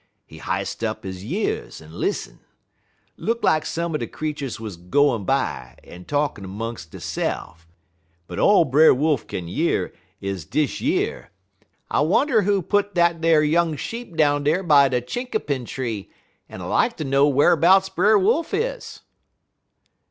He h'ist up he years en lissen. Look lak some er de creeturs wuz gwine by, en talkin' 'mungs' deysef'; but all Brer Wolf kin year is dish yer: "'I wonder who put dat ar young sheep down dar by de chinkapin tree, en I like ter know wharbouts Brer Wolf is.'